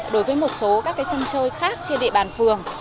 đối với một số các sân chơi khác trên địa bàn phường